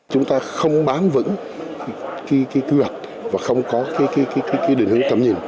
chúng ta không bám vững cái quy hoạch và không có cái định hướng tầm nhìn